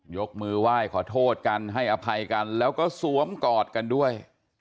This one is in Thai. ยกมือไหว้ขอโทษกันให้อภัยกันแล้วก็สวมกอดกันด้วย